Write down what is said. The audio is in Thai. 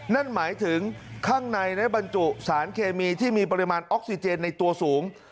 นั่นหมายถึงข้างในได้บรรจุสารเคมีที่มีปริมาณออกซิเจนในตัวสูง